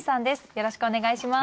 よろしくお願いします。